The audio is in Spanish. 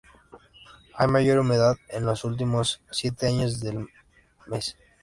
Hay mayor humedad en los últimos siete meses del año.